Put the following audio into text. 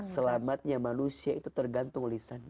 selamatnya manusia itu tergantung lisan